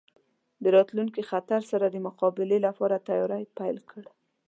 د راتلونکي خطر سره د مقابلې لپاره تیاری پیل کړ.